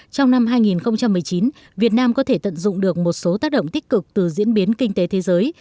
trong năm hai nghìn một mươi chín việt nam có thể tận dụng được một số tác động tích cực từ diễn biến kinh tế thế giới